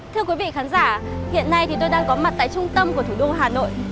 thưa quý vị khán giả hiện nay thì tôi đang có mặt tại trung tâm của thủ đô hà nội